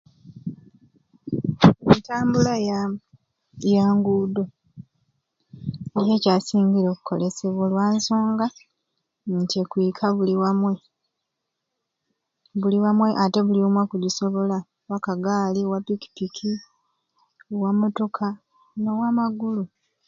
Entambula ya ya nguudo niyo ekyasingire okukolesebwa olwansonga nti ekwika buli wamwei buli wamwei ate buli omwei agisobola owa kagaali owa pikipiki owa motoka n'owamagulu